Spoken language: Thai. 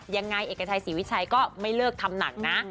เอกชัยศรีวิชัยก็ไม่เลิกทำหนักนะ